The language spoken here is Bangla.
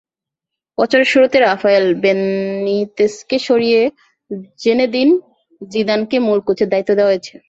বছরের শুরুতে রাফায়েল বেনিতেজকে সরিয়ে জিনেদিন জিদানকে মূল কোচের দায়িত্ব দেওয়া হয়েছে।